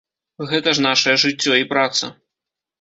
Гэта ж нашае жыццё і праца.